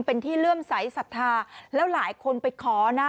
เป็นที่เลื่อมใสสัทธาแล้วหลายคนไปขอนะ